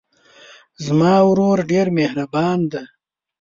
زما ورور ډېر مهربان دی.